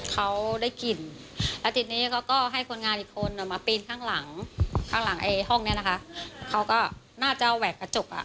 เขาได้กลิ่นแล้วทีนี้เขาก็ให้คนงานอีกคนมาปีนข้างหลังข้างหลังไอ้ห้องนี้นะคะเขาก็น่าจะเอาแหวกกระจกอ่ะ